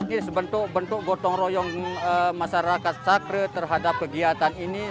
ini sebetul betul botong royong masyarakat sakre terhadap kegiatan ini